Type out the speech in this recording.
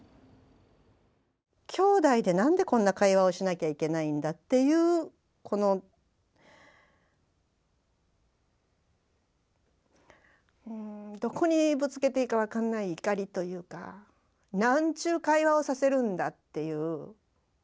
きょうだいで何でこんな会話をしなきゃいけないんだっていうこのどこにぶつけていいか分かんない怒りというか何ちゅう会話をさせるんだっていう。